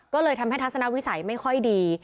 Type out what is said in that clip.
ก็เลยทำให้ทัศนวิสัยไม่ค่อยดี